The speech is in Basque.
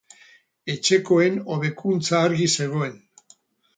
Etxekoen hobekuntza argi zegoen.